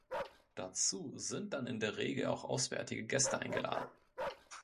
Dazu sind dann in der Regel auch auswärtige Gäste eingeladen.